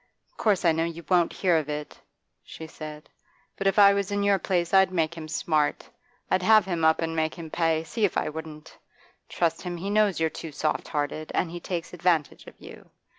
'Of course I know you won't hear of it,' she said, 'but if I was in your place I'd make him smart. I'd have him up and make him pay, see if I wouldn't. Trust him, he knows you're too soft hearted, and he takes advantage of you.